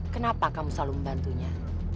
kenapa kamu selalu membantunya